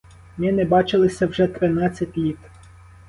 Ми не бачилися вже тринадцять літ.